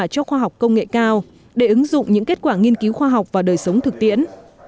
công nghệ cao để ứng dụng những kết quả nghiên cứu khoa học vào đời sống thực tiễn